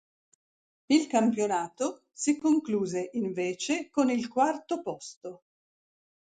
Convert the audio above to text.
Il campionato si concluse invece con il quarto posto.